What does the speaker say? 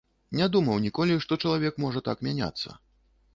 Не думаў ніколі, што чалавек можа так мяняцца